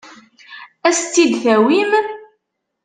Ad as-tt-id-tawim?